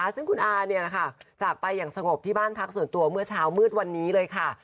ซึ่งคุณอาจากไปอย่างสงบที่บ้านพักส่วนตัวเมื่อเช้ามืดวันนี้เลยค่ะ